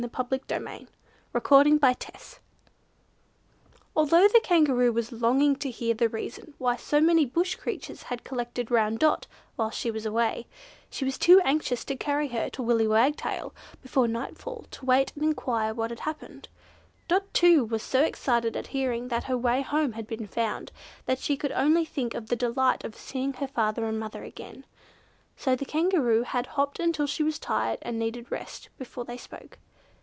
Chapter 12 Willy Wagtail to the Rescue Although the Kangaroo was longing to hear the reason why so many Bush creatures had collected round Dot whilst she was away, she was too anxious to carry her to Willy Wagtail before nightfall to wait and enquire what had happened. Dot, too, was so excited at hearing that her way home had been found, that she could only think of the delight of seeing her father and mother again. So the Kangaroo had hopped until she was tired and needed rest, before they spoke.